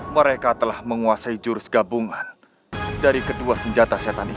mereka telah menguasai jurus gabungan dari kedua senjata setanic